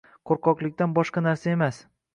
qo‘rqoqlikdan boshqa narsa emas.